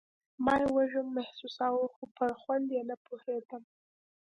ما يې وږم محسوساوه خو پر خوند يې نه پوهېدم.